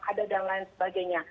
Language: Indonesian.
ada dan lain sebagainya